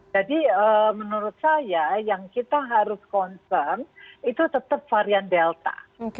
jadi menurut saya yang kita harus concern itu tetap varian delta